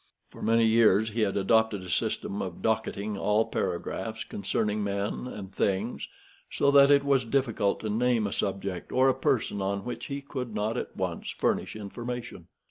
For many years he had adopted a system for docketing all paragraphs concerning men and things, so that it was difficult to name a subject or a person on which he could not at once furnish information.